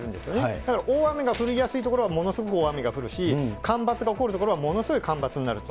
だから大雨が降りやすい所はものすごく大雨が降るし、干ばつが起こる所はものすごい干ばつになると。